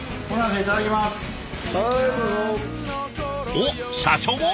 おっ社長も？